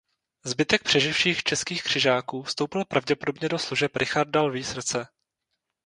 Zbytek přeživších českých křižáků vstoupil pravděpodobně do služeb Richarda Lví srdce.